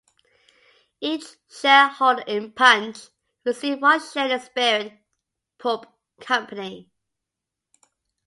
Each shareholder in Punch received one share in Spirit Pub Company.